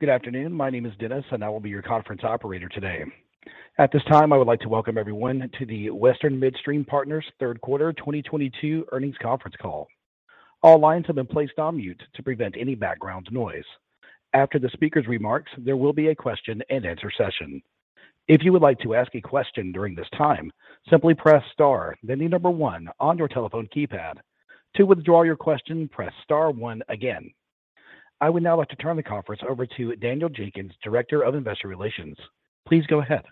Good afternoon. My name is Dennis, and I will be your conference operator today. At this time, I would like to welcome everyone to the Western Midstream Partners third quarter 2022 earnings conference call. All lines have been placed on mute to prevent any background noise. After the speaker's remarks, there will be a question-and-answer session. If you would like to ask a question during this time, simply press star, then the number one on your telephone keypad. To withdraw your question, press star one again. I would now like to turn the conference over to Daniel Jenkins, Director of Investor Relations. Please go ahead.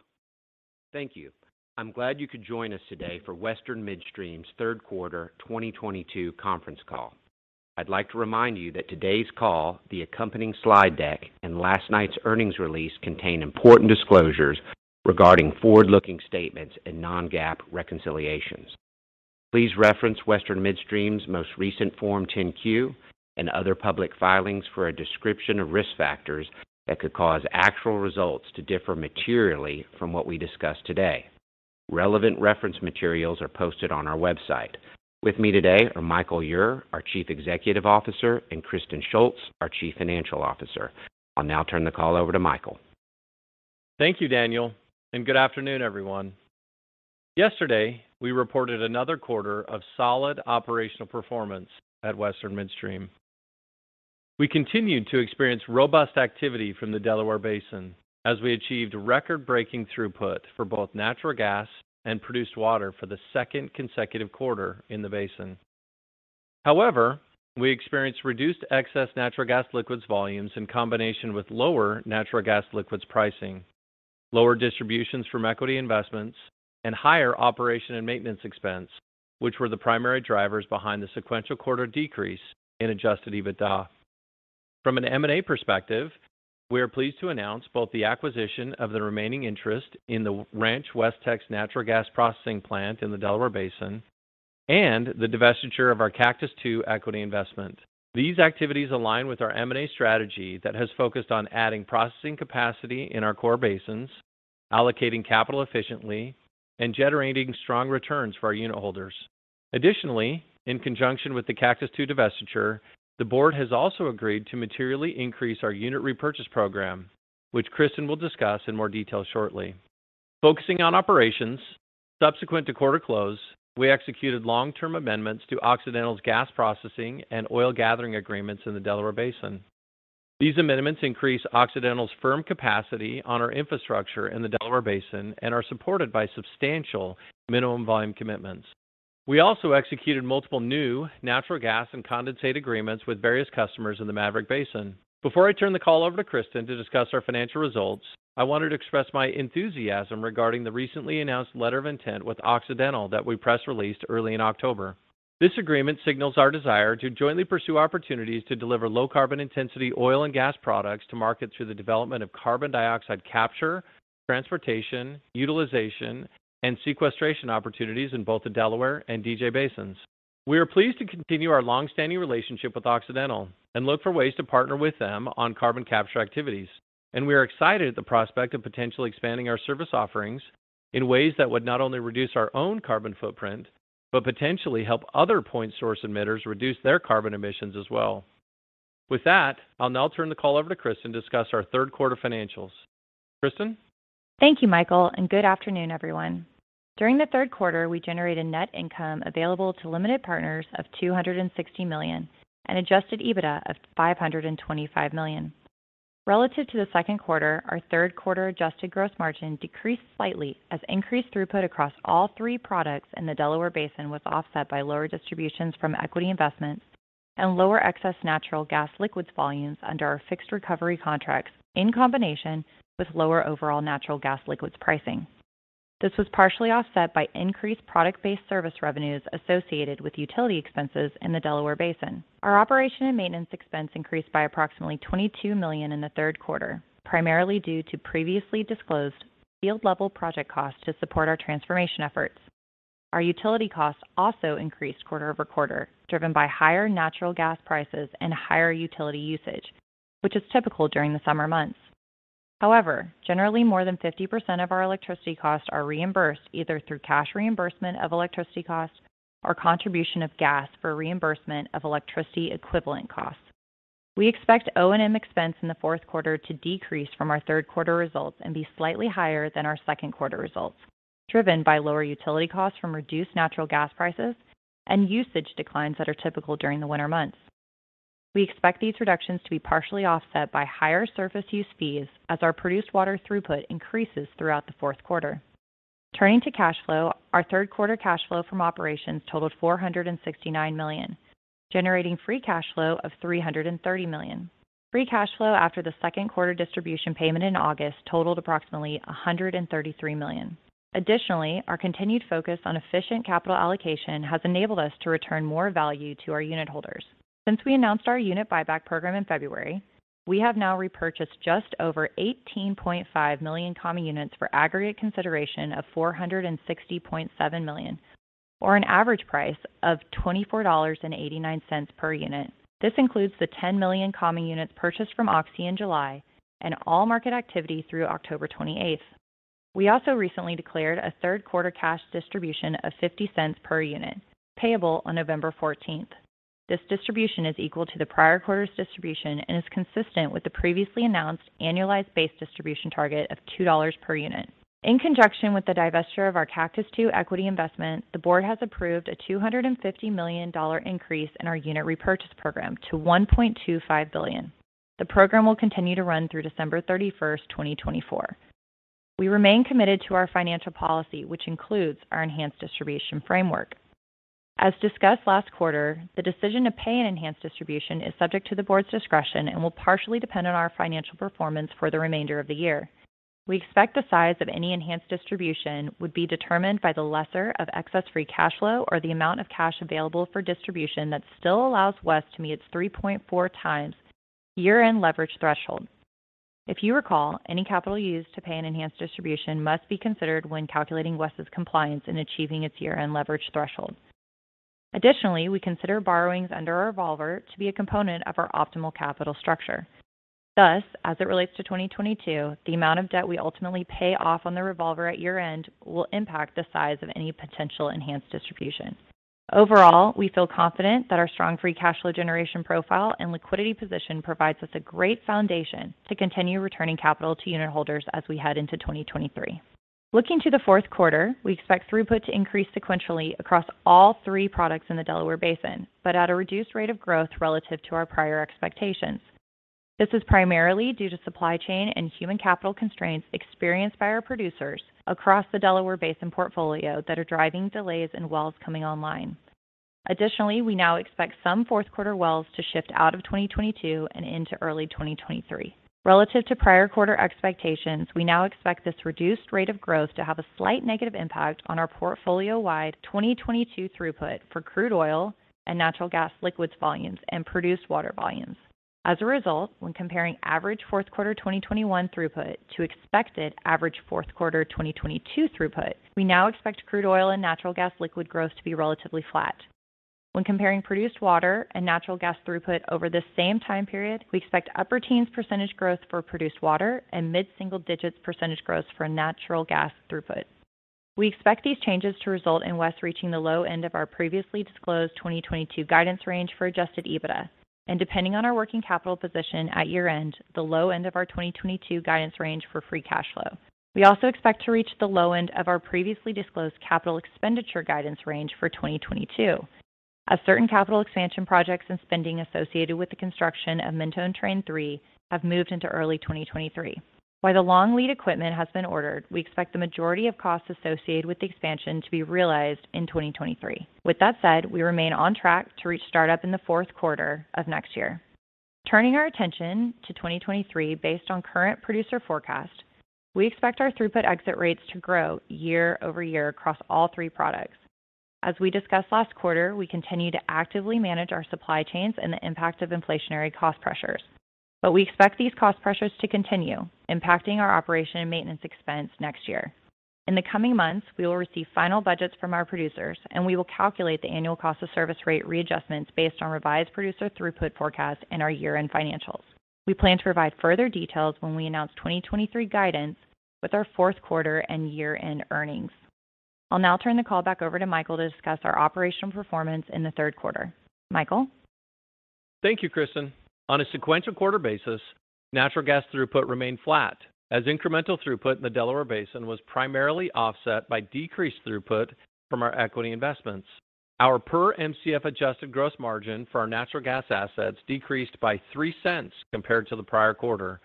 Thank you. I'm glad you could join us today for Western Midstream's third quarter 2022 conference call. I'd like to remind you that today's call, the accompanying slide deck, and last night's earnings release contain important disclosures regarding forward-looking statements and non-GAAP reconciliations. Please reference Western Midstream's most recent Form 10-Q and other public filings for a description of risk factors that could cause actual results to differ materially from what we discuss today. Relevant reference materials are posted on our website. With me today are Michael Ure, our Chief Executive Officer, and Kristen Shults, our Chief Financial Officer. I'll now turn the call over to Michael. Thank you, Daniel, and good afternoon, everyone. Yesterday, we reported another quarter of solid operational performance at Western Midstream. We continued to experience robust activity from the Delaware Basin as we achieved record-breaking throughput for both natural gas and produced water for the second consecutive quarter in the basin. However, we experienced reduced excess natural gas liquids volumes in combination with lower natural gas liquids pricing, lower distributions from equity investments, and higher operations and maintenance expense, which were the primary drivers behind the sequential quarter decrease in adjusted EBITDA. From an M&A perspective, we are pleased to announce both the acquisition of the remaining interest in the Ranch Westex natural gas processing plant in the Delaware Basin and the divestiture of our Cactus II equity investment. These activities align with our M&A strategy that has focused on adding processing capacity in our core basins, allocating capital efficiently, and generating strong returns for our unitholders. Additionally, in conjunction with the Cactus II divestiture, the board has also agreed to materially increase our unit repurchase program, which Kristen will discuss in more detail shortly. Focusing on operations, subsequent to quarter close, we executed long-term amendments to Occidental's gas processing and oil gathering agreements in the Delaware Basin. These amendments increase Occidental's firm capacity on our infrastructure in the Delaware Basin and are supported by substantial minimum volume commitments. We also executed multiple new natural gas and condensate agreements with various customers in the Maverick Basin. Before I turn the call over to Kristen to discuss our financial results, I wanted to express my enthusiasm regarding the recently announced letter of intent with Occidental that we press released early in October. This agreement signals our desire to jointly pursue opportunities to deliver low carbon intensity oil and gas products to market through the development of carbon dioxide capture, transportation, utilization, and sequestration opportunities in both the Delaware Basin and DJ Basin. We are pleased to continue our long-standing relationship with Occidental and look for ways to partner with them on carbon capture activities, and we are excited at the prospect of potentially expanding our service offerings in ways that would not only reduce our own carbon footprint, but potentially help other point source emitters reduce their carbon emissions as well. With that, I'll now turn the call over to Kristen to discuss our third quarter financials. Kristen. Thank you, Michael, and good afternoon, everyone. During the third quarter, we generated net income available to limited partners of $260 million and Adjusted EBITDA of $525 million. Relative to the second quarter, our third quarter Adjusted Gross Margin decreased slightly as increased throughput across all three products in the Delaware Basin was offset by lower distributions from equity investments and lower excess Natural Gas Liquids volumes under our fixed recovery contracts in combination with lower overall Natural Gas Liquids pricing. This was partially offset by increased product-based service revenues associated with utility expenses in the Delaware Basin. Our operation and maintenance expense increased by approximately $22 million in the third quarter, primarily due to previously disclosed field-level project costs to support our transformation efforts. Our utility costs also increased quarter-over-quarter, driven by higher natural gas prices and higher utility usage, which is typical during the summer months. However, generally more than 50% of our electricity costs are reimbursed either through cash reimbursement of electricity costs or contribution of gas for reimbursement of electricity equivalent costs. We expect O&M expense in the fourth quarter to decrease from our third quarter results and be slightly higher than our second quarter results, driven by lower utility costs from reduced natural gas prices and usage declines that are typical during the winter months. We expect these reductions to be partially offset by higher surface use fees as our produced water throughput increases throughout the fourth quarter. Turning to cash flow, our third quarter cash flow from operations totaled $469 million, generating free cash flow of $330 million. Free cash flow after the second quarter distribution payment in August totaled approximately $133 million. Additionally, our continued focus on efficient capital allocation has enabled us to return more value to our unitholders. Since we announced our unit buyback program in February, we have now repurchased just over 18.5 million common units for aggregate consideration of $460.7 million, or an average price of $24.89 per unit. This includes the 10 million common units purchased from Oxy in July and all market activity through October 28. We also recently declared a third quarter cash distribution of $0.50 per unit, payable on November 14. This distribution is equal to the prior quarter's distribution and is consistent with the previously announced annualized base distribution target of $2 per unit. In conjunction with the divestiture of our Cactus II equity investment, the board has approved a $250 million increase in our unit repurchase program to $1.25 billion. The program will continue to run through December 31, 2024. We remain committed to our financial policy, which includes our enhanced distribution framework. As discussed last quarter, the decision to pay an enhanced distribution is subject to the board's discretion and will partially depend on our financial performance for the remainder of the year. We expect the size of any enhanced distribution would be determined by the lesser of excess free cash flow or the amount of cash available for distribution that still allows WES to meet its 3.4 times year-end leverage threshold. If you recall, any capital used to pay an enhanced distribution must be considered when calculating WES's compliance in achieving its year-end leverage threshold. Additionally, we consider borrowings under our revolver to be a component of our optimal capital structure. Thus, as it relates to 2022, the amount of debt we ultimately pay off on the revolver at year-end will impact the size of any potential enhanced distribution. Overall, we feel confident that our strong free cash flow generation profile and liquidity position provides us a great foundation to continue returning capital to unitholders as we head into 2023. Looking to the fourth quarter, we expect throughput to increase sequentially across all three products in the Delaware Basin, but at a reduced rate of growth relative to our prior expectations. This is primarily due to supply chain and human capital constraints experienced by our producers across the Delaware Basin portfolio that are driving delays in wells coming online. Additionally, we now expect some fourth quarter wells to shift out of 2022 and into early 2023. Relative to prior quarter expectations, we now expect this reduced rate of growth to have a slight negative impact on our portfolio-wide 2022 throughput for crude oil and natural gas liquids volumes and produced water volumes. As a result, when comparing average fourth quarter 2021 throughput to expected average fourth quarter 2022 throughput, we now expect crude oil and natural gas liquid growth to be relatively flat. When comparing produced water and natural gas throughput over this same time period, we expect upper teens percentage growth for produced water and mid-single digits percentage growth for natural gas throughput. We expect these changes to result in WES reaching the low end of our previously disclosed 2022 guidance range for Adjusted EBITDA, and depending on our working capital position at year-end, the low end of our 2022 guidance range for free cash flow. We also expect to reach the low end of our previously disclosed capital expenditure guidance range for 2022. Certain capital expansion projects and spending associated with the construction of Mentone Train III have moved into early 2023. While the long lead equipment has been ordered, we expect the majority of costs associated with the expansion to be realized in 2023. With that said, we remain on track to reach startup in the fourth quarter of next year. Turning our attention to 2023, based on current producer forecast, we expect our throughput exit rates to grow year-over-year across all three products. As we discussed last quarter, we continue to actively manage our supply chains and the impact of inflationary cost pressures. We expect these cost pressures to continue impacting our operation and maintenance expense next year. In the coming months, we will receive final budgets from our producers, and we will calculate the annual cost of service rate readjustments based on revised producer throughput forecasts and our year-end financials. We plan to provide further details when we announce 2023 guidance with our fourth quarter and year-end earnings. I'll now turn the call back over to Michael to discuss our operational performance in the third quarter. Michael. Thank you, Kristen. On a sequential quarter basis, natural gas throughput remained flat as incremental throughput in the Delaware Basin was primarily offset by decreased throughput from our equity investments. Our per MCF Adjusted Gross Margin for our natural gas assets decreased by $0.03 compared to the prior quarter,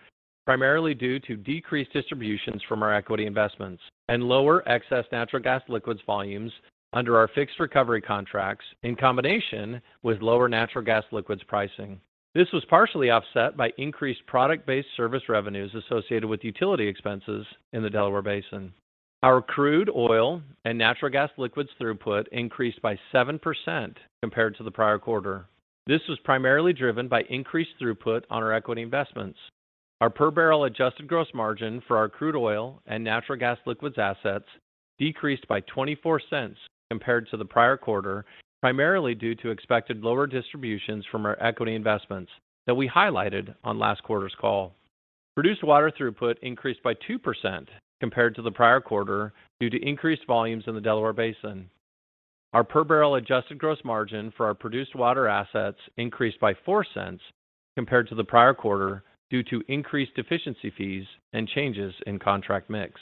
primarily due to decreased distributions from our equity investments and lower excess Natural Gas Liquids volumes under our fixed recovery contracts in combination with lower Natural Gas Liquids pricing. This was partially offset by increased product-based service revenues associated with utility expenses in the Delaware Basin. Our crude oil and Natural Gas Liquids throughput increased by 7% compared to the prior quarter. This was primarily driven by increased throughput on our equity investments. Our per barrel adjusted gross margin for our crude oil and natural gas liquids assets decreased by $0.24 compared to the prior quarter, primarily due to expected lower distributions from our equity investments that we highlighted on last quarter's call. Produced water throughput increased by 2% compared to the prior quarter due to increased volumes in the Delaware Basin. Our per barrel adjusted gross margin for our produced water assets increased by $0.04 compared to the prior quarter due to increased deficiency fees and changes in contract mix.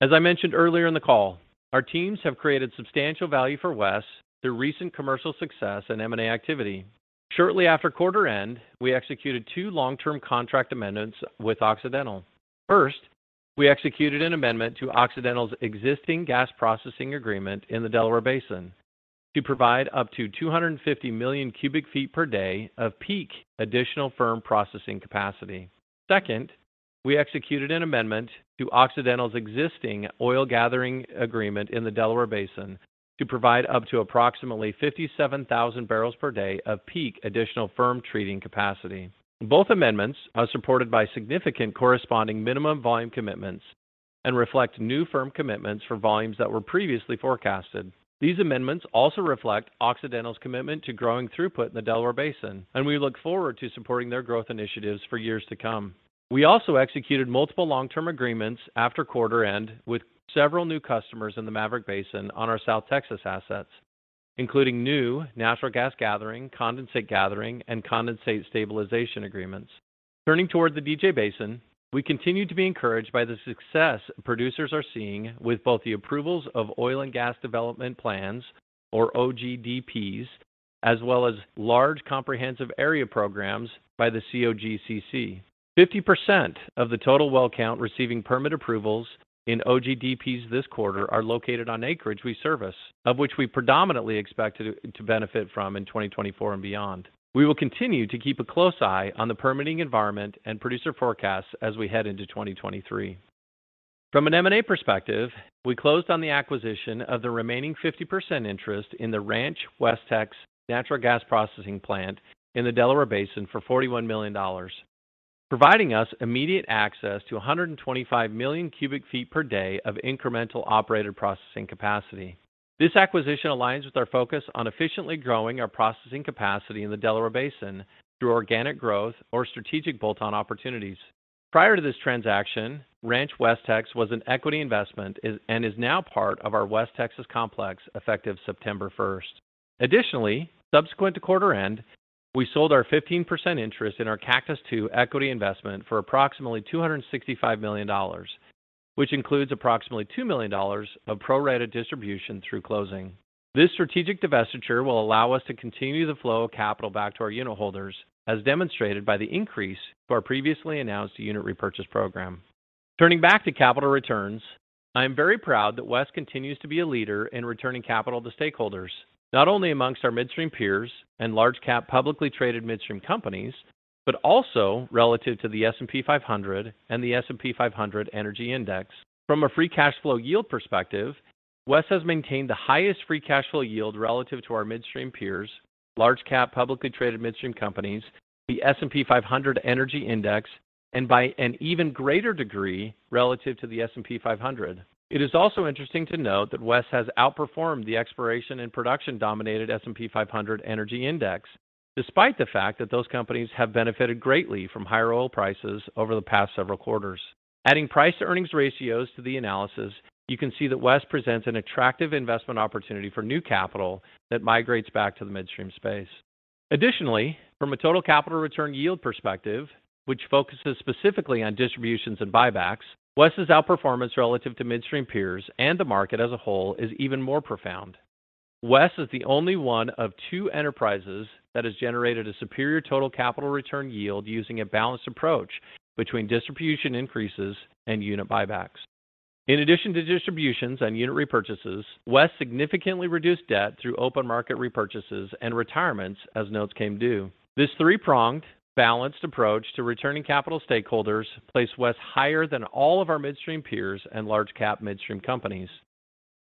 As I mentioned earlier in the call, our teams have created substantial value for WES through recent commercial success and M&A activity. Shortly after quarter end, we executed two long-term contract amendments with Occidental. First, we executed an amendment to Occidental's existing gas processing agreement in the Delaware Basin to provide up to 250 million cubic feet per day of peak additional firm processing capacity. Second, we executed an amendment to Occidental's existing oil gathering agreement in the Delaware Basin to provide up to approximately 57,000 barrels per day of peak additional firm treating capacity. Both amendments are supported by significant corresponding minimum volume commitments and reflect new firm commitments for volumes that were previously forecasted. These amendments also reflect Occidental's commitment to growing throughput in the Delaware Basin, and we look forward to supporting their growth initiatives for years to come. We also executed multiple long-term agreements after quarter end with several new customers in the Maverick Basin on our South Texas assets. Including new natural gas gathering, condensate gathering, and condensate stabilization agreements. Turning toward the DJ Basin, we continue to be encouraged by the success producers are seeing with both the approvals of oil and gas development plans, or OGDPs, as well as large comprehensive area programs by the COGCC. 50% of the total well count receiving permit approvals in OGDPs this quarter are located on acreage we service, of which we predominantly expect to benefit from in 2024 and beyond. We will continue to keep a close eye on the permitting environment and producer forecasts as we head into 2023. From an M&A perspective, we closed on the acquisition of the remaining 50% interest in the Ranch Westex natural gas processing plant in the Delaware Basin for $41 million, providing us immediate access to 125 million cubic feet per day of incremental operated processing capacity. This acquisition aligns with our focus on efficiently growing our processing capacity in the Delaware Basin through organic growth or strategic bolt-on opportunities. Prior to this transaction, Ranch Westex was an equity investment and is now part of our West Texas complex effective September 1st. Additionally, subsequent to quarter end, we sold our 15% interest in our Cactus II equity investment for approximately $265 million, which includes approximately $2 million of pro-rata distribution through closing. This strategic divestiture will allow us to continue the flow of capital back to our unitholders, as demonstrated by the increase to our previously announced unit repurchase program. Turning back to capital returns, I am very proud that WES continues to be a leader in returning capital to stakeholders, not only among our midstream peers and large cap publicly traded midstream companies, but also relative to the S&P 500 and the S&P 500 Energy Index. From a free cash flow yield perspective, WES has maintained the highest free cash flow yield relative to our midstream peers, large cap publicly traded midstream companies, the S&P 500 Energy Index, and by an even greater degree relative to the S&P 500. It is also interesting to note that WES has outperformed the exploration and production-dominated S&P 500 Energy Index, despite the fact that those companies have benefited greatly from higher oil prices over the past several quarters. Adding price-to-earnings ratios to the analysis, you can see that WES presents an attractive investment opportunity for new capital that migrates back to the midstream space. Additionally, from a total capital return yield perspective, which focuses specifically on distributions and buybacks, WES's outperformance relative to midstream peers and the market as a whole is even more profound. WES is the only one of two enterprises that has generated a superior total capital return yield using a balanced approach between distribution increases and unit buybacks. In addition to distributions and unit repurchases, WES significantly reduced debt through open market repurchases and retirements as notes came due. This three-pronged, balanced approach to returning capital to stakeholders places WES higher than all of our midstream peers and large-cap midstream companies.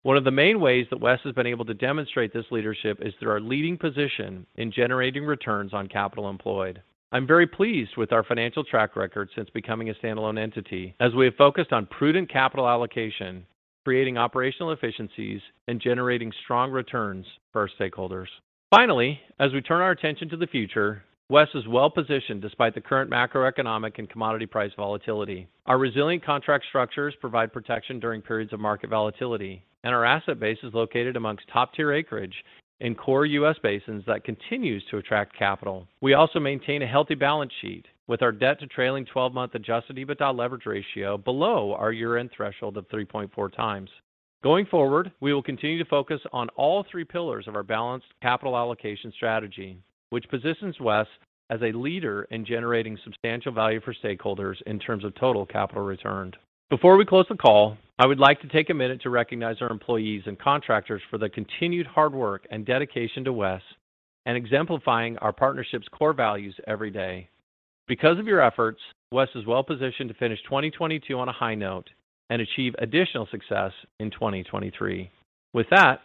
One of the main ways that WES has been able to demonstrate this leadership is through our leading position in generating returns on capital employed. I'm very pleased with our financial track record since becoming a standalone entity, as we have focused on prudent capital allocation, creating operational efficiencies, and generating strong returns for our stakeholders. Finally, as we turn our attention to the future, WES is well positioned despite the current macroeconomic and commodity price volatility. Our resilient contract structures provide protection during periods of market volatility, and our asset base is located amongst top-tier acreage in core U.S. basins that continues to attract capital. We also maintain a healthy balance sheet with our debt to trailing twelve-month Adjusted EBITDA leverage ratio below our year-end threshold of 3.4 times. Going forward, we will continue to focus on all three pillars of our balanced capital allocation strategy, which positions WES as a leader in generating substantial value for stakeholders in terms of total capital returned. Before we close the call, I would like to take a minute to recognize our employees and contractors for their continued hard work and dedication to WES and exemplifying our partnership's core values every day. Because of your efforts, WES is well positioned to finish 2022 on a high note and achieve additional success in 2023. With that,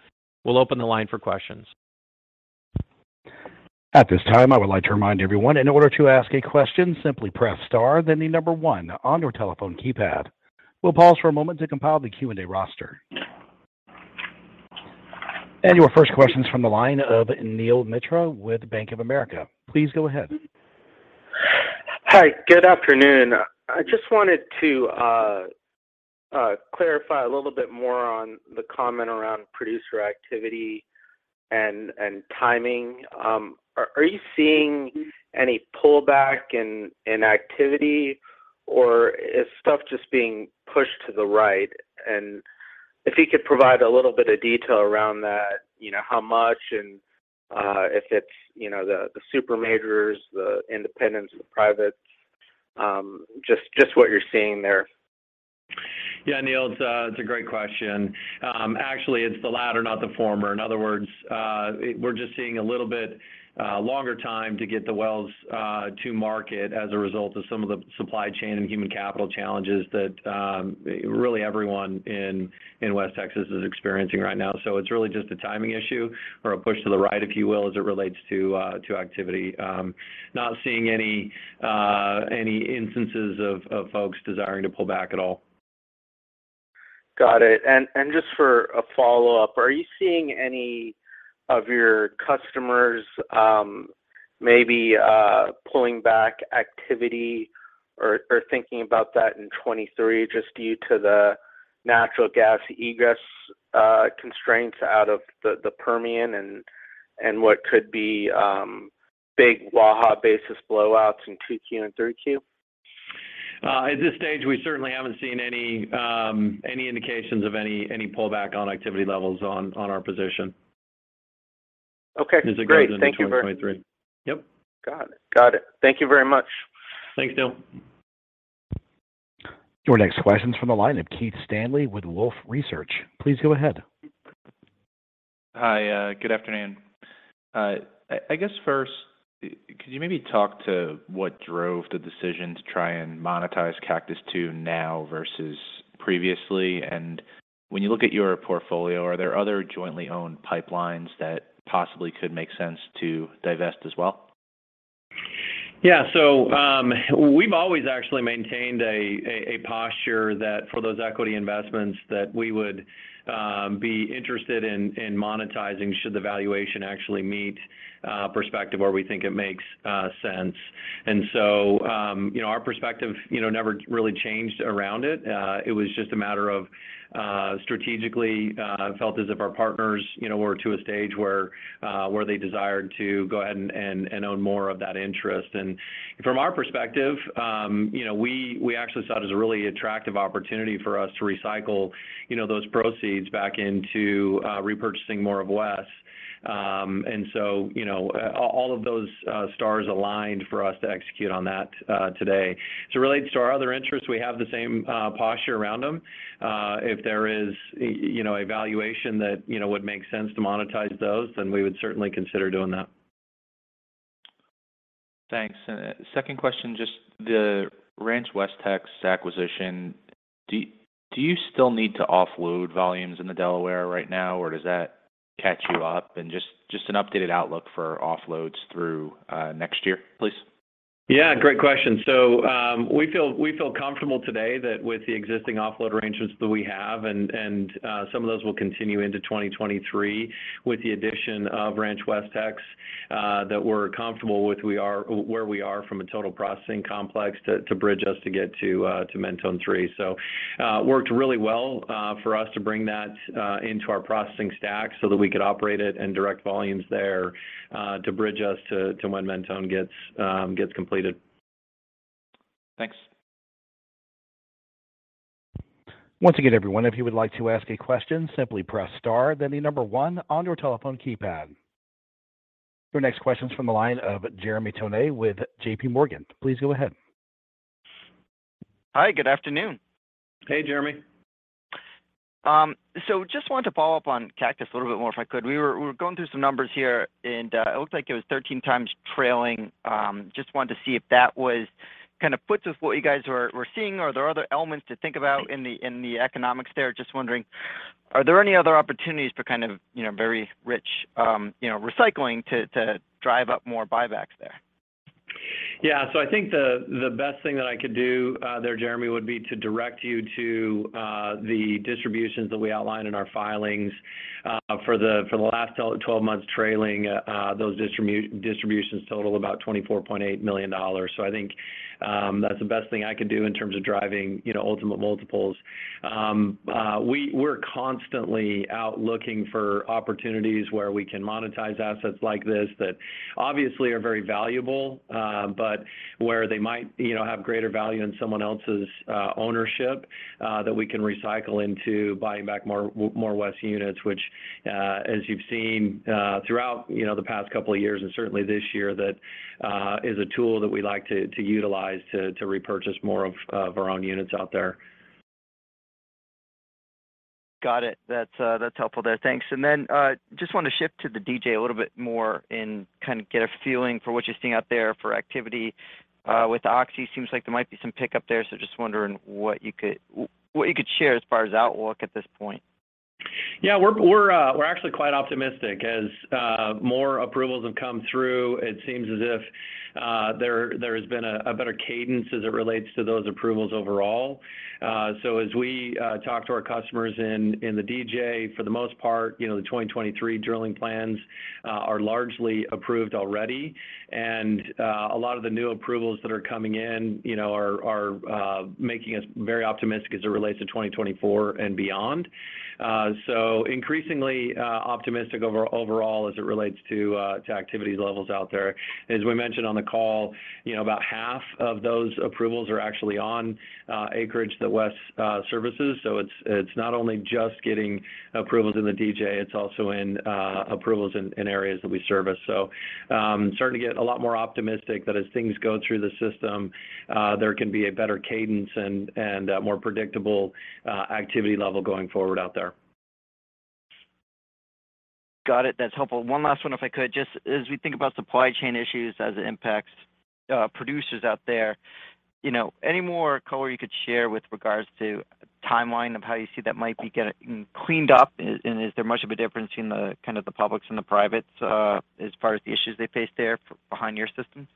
we'll open the line for questions. At this time, I would like to remind everyone, in order to ask a question, simply press star then the number one on your telephone keypad. We'll pause for a moment to compile the Q&A roster. Your first question is from the line of Neel Mitra with Bank of America. Please go ahead. Hi, good afternoon. I just wanted to clarify a little bit more on the comment around producer activity and timing. Are you seeing any pullback in activity or is stuff just being pushed to the right? If you could provide a little bit of detail around that, you know, how much and if it's, you know, the super majors, the independents, the privates, just what you're seeing there. Yeah, Neel, it's a great question. Actually, it's the latter, not the former. In other words, we're just seeing a little bit longer time to get the wells to market as a result of some of the supply chain and human capital challenges that really everyone in West Texas is experiencing right now. It's really just a timing issue or a push to the right, if you will, as it relates to activity. Not seeing any instances of folks desiring to pull back at all. Got it. Just for a follow-up, are you seeing any of your customers maybe pulling back activity or thinking about that in 2023 just due to the natural gas egress constraints out of the Permian and what could be big Waha basis blowouts in 2Q and 3Q? At this stage, we certainly haven't seen any indications of any pullback on activity levels on our position. Okay, great. Thank you very. As it goes into 2023. Yep. Got it. Thank you very much. Thanks, Neel. Your next question's from the line of Keith Stanley with Wolfe Research. Please go ahead. Hi, good afternoon. I guess first, could you maybe talk to what drove the decision to try and monetize Cactus II now versus previously? And when you look at your portfolio, are there other jointly owned pipelines that possibly could make sense to divest as well? Yeah. We've always actually maintained a posture that for those equity investments that we would be interested in monetizing should the valuation actually meet a perspective where we think it makes sense. You know, our perspective never really changed around it. It was just a matter of strategically felt as if our partners you know were to a stage where they desired to go ahead and own more of that interest. From our perspective, you know, we actually saw it as a really attractive opportunity for us to recycle, you know, those proceeds back into repurchasing more of WES. You know, all of those stars aligned for us to execute on that today. To relate to our other interests, we have the same posture around them. If there is, you know, a valuation that, you know, would make sense to monetize those, then we would certainly consider doing that. Thanks. Second question, just the Ranch Westex acquisition, do you still need to offload volumes in the Delaware right now, or does that catch you up? Just an updated outlook for offloads through next year, please. Yeah, great question. We feel comfortable today that with the existing offload arrangements that we have and some of those will continue into 2023 with the addition of Ranch Westex that we're comfortable with where we are from a total processing complex to bridge us to get to Mentone III. Worked really well for us to bring that into our processing stack so that we could operate it and direct volumes there to bridge us to when Mentone III gets completed. Thanks. Once again, everyone, if you would like to ask a question, simply press star then the number one on your telephone keypad. Your next question's from the line of Jeremy Tonet with J.P. Morgan. Please go ahead. Hi, good afternoon. Hey, Jeremy. Just wanted to follow up on Cactus II a little bit more, if I could. We were going through some numbers here, and it looked like it was 13 times trailing. Just wanted to see if that was kind of in line with what you guys were seeing, or are there other elements to think about in the economics there? Just wondering, are there any other opportunities for kind of, you know, very rich, you know, recycling to drive up more buybacks there? Yeah. I think the best thing that I could do there, Jeremy, would be to direct you to the distributions that we outlined in our filings. For the last 12 months trailing, those distributions total about $24.8 million. I think that's the best thing I could do in terms of driving, you know, ultimate multiples. We're constantly out looking for opportunities where we can monetize assets like this that obviously are very valuable, but where they might, you know, have greater value in someone else's ownership, that we can recycle into buying back more WES units, which, as you've seen, throughout, you know, the past couple of years and certainly this year, that is a tool that we like to utilize to repurchase more of our own units out there. Got it. That's helpful there. Thanks. Just want to shift to the DJ a little bit more and kind of get a feeling for what you're seeing out there for activity. With Oxy, seems like there might be some pickup there. Just wondering what you could share as far as outlook at this point. Yeah, we're actually quite optimistic. As more approvals have come through, it seems as if there has been a better cadence as it relates to those approvals overall. As we talk to our customers in the DJ, for the most part, you know, the 2023 drilling plans are largely approved already. A lot of the new approvals that are coming in, you know, are making us very optimistic as it relates to 2024 and beyond. Increasingly optimistic overall as it relates to activity levels out there. As we mentioned on the call, you know, about half of those approvals are actually on acreage that WES services. It's not only just getting approvals in the DJ, it's also approvals in areas that we service. Starting to get a lot more optimistic that as things go through the system, there can be a better cadence and a more predictable activity level going forward out there. Got it. That's helpful. One last one, if I could. Just as we think about supply chain issues as it impacts producers out there, you know, any more color you could share with regards to timeline of how you see that might be getting cleaned up? Is there much of a difference between the kind of the public's and the privates as far as the issues they face there behind your systems?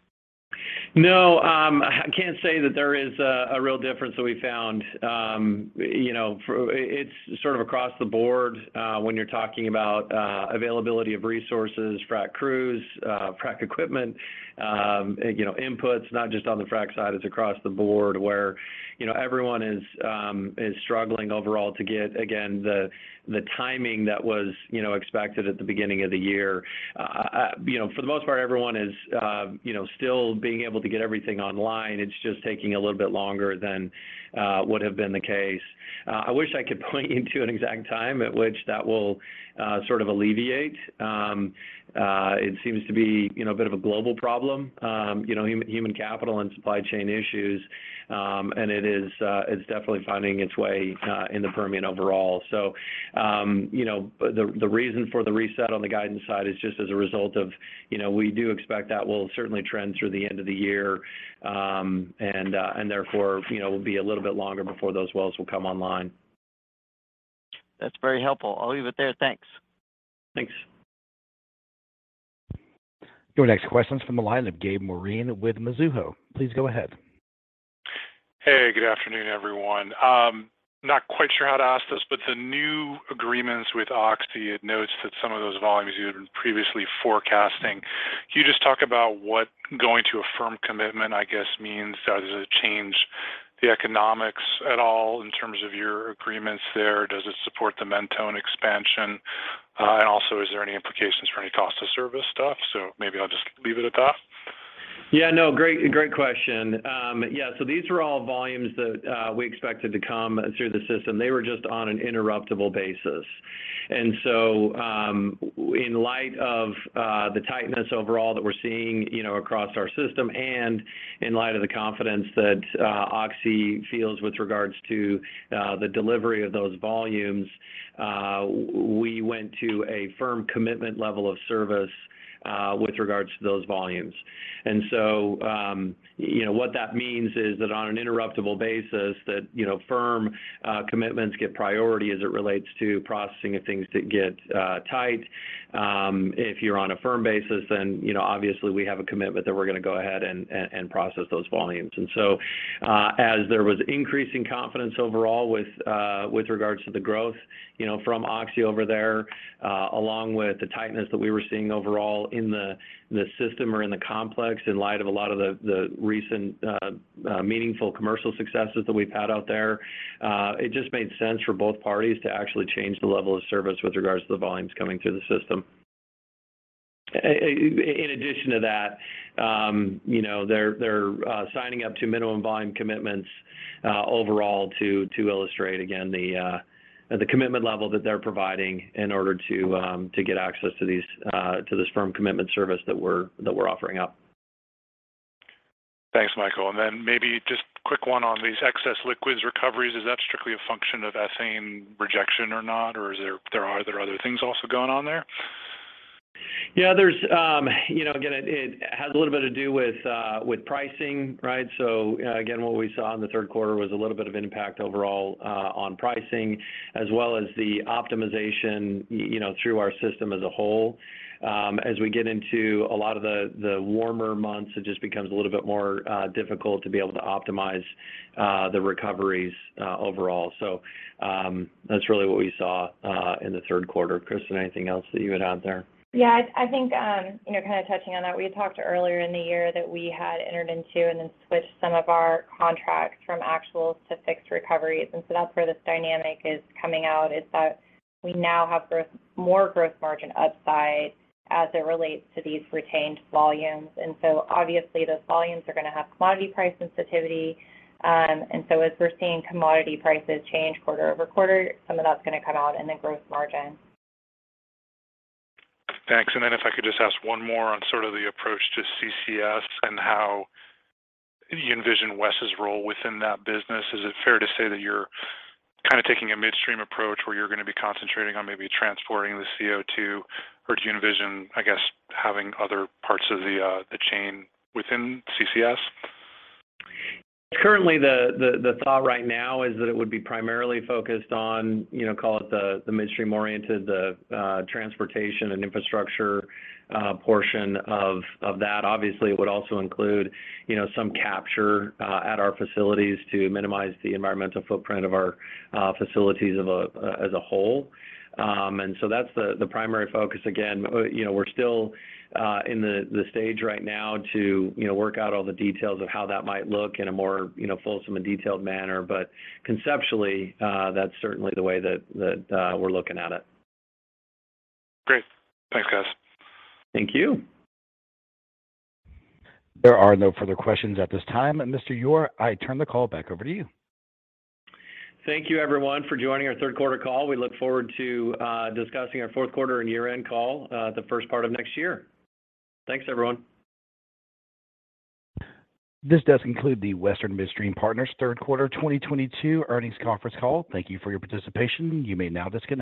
No, I can't say that there is a real difference that we found. You know, it's sort of across the board when you're talking about availability of resources, frac crews, frac equipment, you know, inputs. Not just on the frac side, it's across the board where you know, everyone is struggling overall to get again the timing that was you know, expected at the beginning of the year. You know, for the most part, everyone is you know, still being able to get everything online. It's just taking a little bit longer than would have been the case. I wish I could point you to an exact time at which that will sort of alleviate. It seems to be you know, a bit of a global problem. You know, human capital and supply chain issues. It is, it's definitely finding its way in the Permian overall. You know, the reason for the reset on the guidance side is just as a result of, you know, we do expect that will certainly trend through the end of the year. Therefore, you know, will be a little bit longer before those wells will come online. That's very helpful. I'll leave it there. Thanks. Thanks. Your next question's from the line of Gabe Moreen with Mizuho. Please go ahead. Hey, good afternoon, everyone. Not quite sure how to ask this, but the new agreements with Oxy note that some of those volumes you had been previously forecasting. Can you just talk about what going to a firm commitment, I guess, means? Does it change the economics at all in terms of your agreements there? Does it support the Mentone expansion? And also is there any implications for any cost of service stuff? Maybe I'll just leave it at that. Yeah, no. Great question. These are all volumes that we expected to come through the system. They were just on an interruptible basis. In light of the tightness overall that we're seeing, you know, across our system and in light of the confidence that Oxy feels with regards to the delivery of those volumes, we went to a firm commitment level of service with regards to those volumes. You know, what that means is that on an interruptible basis that, you know, firm commitments get priority as it relates to processing if things get tight. If you're on a firm basis then, you know, obviously we have a commitment that we're gonna go ahead and process those volumes. As there was increasing confidence overall with regards to the growth, you know, from Oxy over there, along with the tightness that we were seeing overall in the system or in the complex in light of a lot of the recent meaningful commercial successes that we've had out there. It just made sense for both parties to actually change the level of service with regards to the volumes coming through the system. In addition to that, you know, they're signing up to minimum volume commitments overall to illustrate again the commitment level that they're providing in order to get access to this firm commitment service that we're offering up. Thanks, Michael. Maybe just quick one on these excess liquids recoveries. Is that strictly a function of ethane rejection or not? Or are there other things also going on there? Yeah, there's, you know, again, it has a little bit to do with pricing, right? Again, what we saw in the third quarter was a little bit of impact overall on pricing as well as the optimization, you know, through our system as a whole. As we get into a lot of the warmer months, it just becomes a little bit more difficult to be able to optimize the recoveries overall. That's really what we saw in the third quarter. Kristen, anything else that you would add there? Yeah. I think, you know, kind of touching on that, we had talked earlier in the year that we had entered into and then switched some of our contracts from actuals to fixed recoveries. That's where this dynamic is coming out, is that we now have gross, more gross margin upside as it relates to these retained volumes. Obviously those volumes are gonna have commodity price sensitivity. As we're seeing commodity prices change quarter-over-quarter, some of that's gonna come out in the gross margin. Thanks. Then if I could just ask one more on sort of the approach to CCS and how you envision WES's role within that business. Is it fair to say that you're kind of taking a midstream approach where you're gonna be concentrating on maybe transporting the CO2? Or do you envision, I guess, having other parts of the chain within CCS? Currently the thought right now is that it would be primarily focused on, you know, call it the midstream-oriented transportation and infrastructure portion of that. Obviously it would also include, you know, some capture at our facilities to minimize the environmental footprint of our facilities as a whole. That's the primary focus. Again, you know, we're still in the stage right now to, you know, work out all the details of how that might look in a more, you know, fulsome and detailed manner. But conceptually, that's certainly the way that we're looking at it. Great. Thanks, guys. Thank you. There are no further questions at this time. Mr. Ure, I turn the call back over to you. Thank you everyone for joining our third quarter call. We look forward to discussing our fourth quarter and year-end call, the first part of next year. Thanks everyone. This does conclude the Western Midstream Partners third quarter 2022 earnings conference call. Thank you for your participation. You may now disconnect.